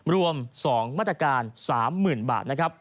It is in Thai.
รวม๒มาตรการ๓๐๐๐๐บาท